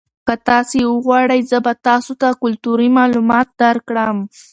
که تاسي وغواړئ زه به تاسو ته کلتوري معلومات درکړم.